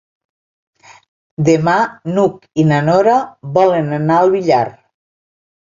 Demà n'Hug i na Nora volen anar al Villar.